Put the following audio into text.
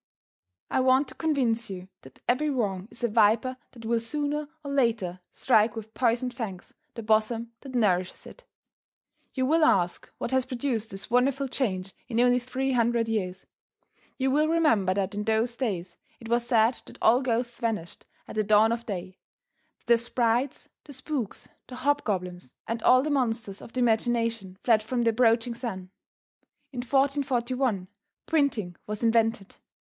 I want to convince you that every wrong is a viper that will sooner or later strike with poisoned fangs the bosom that nourishes it. You will ask what has produced this wonderful change in only three hundred years. You will remember that in those days it was said that all ghosts vanished at the dawn of day; that the sprites, the spooks, the hobgoblins and all the monsters of the imagination fled from the approaching sun. In 1441, printing was invented.